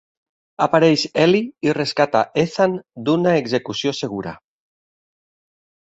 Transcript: Apareix Elli i rescata Ethan d'una execució segura.